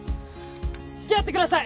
つきあってください！